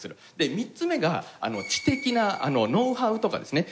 ３つ目が知的なノウハウとかですね